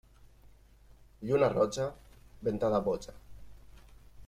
Lluna roja, ventada boja.